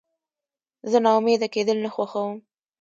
زه ناامیده کېدل نه خوښوم.